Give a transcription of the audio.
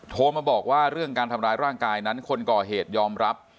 โทรมาบอกว่าเรื่องการทำร้ายร่างกายนั้นคนก่อเหตุยอมรับ